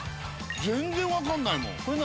全然わからないもん。